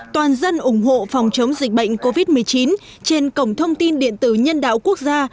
toàn dân ủng hộ phòng chống dịch bệnh covid một mươi chín trên cổng thông tin điện tử nhân đạo quốc gia